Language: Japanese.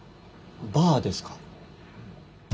バーですか？